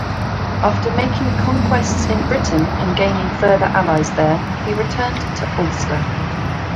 After making conquests in Britain and gaining further allies there, he returned to Ulster.